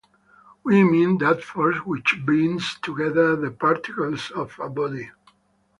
We mean that force which binds together the particles of a body.